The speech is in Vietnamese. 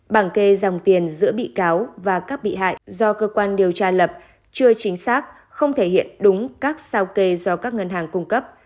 bảng kê dòng tiền giữa bị cáo và các bị hại do cơ quan điều tra lập chưa chính xác không thể hiện đúng các sao kê do các ngân hàng cung cấp